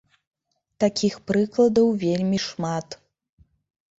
Такіх прыкладаў вельмі шмат.